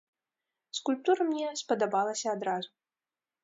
Скульптура мне спадабалася адразу.